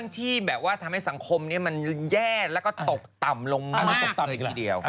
ทำให้สังคมเนี่ยมันแย่แล้วก็ตกต่ำลงมากเลยทีเดียว